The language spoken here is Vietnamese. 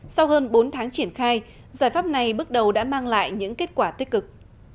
sau hơn bốn tháng triển khai giải pháp này bước đầu đã mang lại những kết quả tích cực